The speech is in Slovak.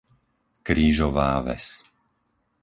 Krížová Ves